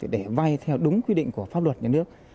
để vay theo đúng quy định của pháp luật nhà nước